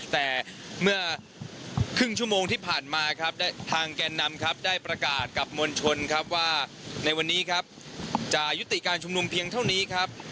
แต่เมื่อครึ่งชั่วโมงที่ผ่านมาครับทางแกนนำครับได้ประกาศกับมวลชนครับว่าในวันนี้ครับจะยุติการชุมนุมเพียงเท่านี้ครับ